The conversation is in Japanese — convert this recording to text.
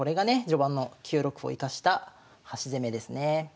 序盤の９六歩を生かした端攻めですね。